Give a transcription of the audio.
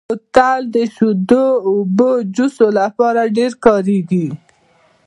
بوتل د شیدو، اوبو او جوس لپاره ډېر کارېږي.